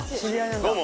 どうも。